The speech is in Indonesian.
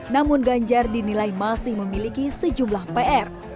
namun ganjar dinilai masih memiliki sejumlah pr